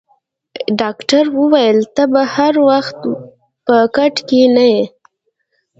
ډاکټر وویل: ته به هر وخت په کټ کې نه یې.